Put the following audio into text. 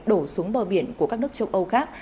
đổ xuống bờ biển của các nước châu âu khác